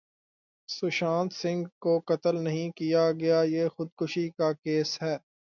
سشانت سنگھ کو قتل نہیں کیا گیا یہ خودکشی کا کیس ہے